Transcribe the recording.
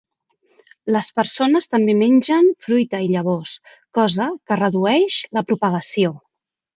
Les persones també mengen fruita i llavors, cosa que redueix la propagació.